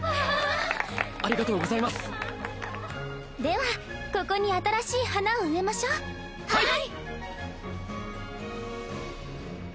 ありがとうございますではここに新しい花を植えましょうはい！